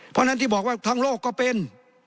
เพราะฉะนั้นที่บอกว่าทั้งโลกก็เป็น